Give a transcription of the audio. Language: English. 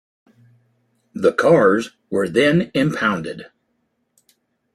The cars were then impounded.